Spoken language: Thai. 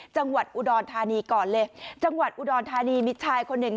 จังหวัดอุดรธานีก่อนเลยจังหวัดอุดรธานีมีชายคนหนึ่ง